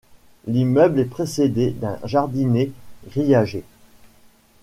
L'immeuble est précédé d'un jardinet grillagé.